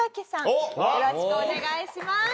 よろしくお願いします。